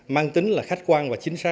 mang tính là khách quan